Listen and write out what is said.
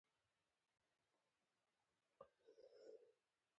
هغه پديده چې د معجزې په نامه يادېږي.